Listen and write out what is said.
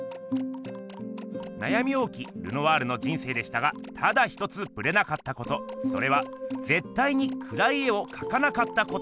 なやみ多きルノワールの人生でしたがただ一つぶれなかったことそれはぜったいにくらい絵をかかなかったことです。